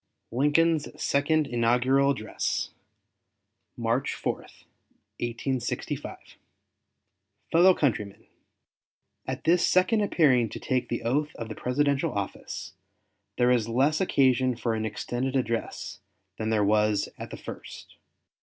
LINCOLN'S SECOND INAUGURAL ADDRESS MARCH 4, 1865 FELLOW COUNTRYMEN: At this second appearing to take the oath of the Presidential office, there is less occasion for an extended address than there was at the first.